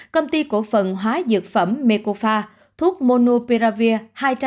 công ty cổ phần hóa dược phẩm mekofa thuốc monopiravir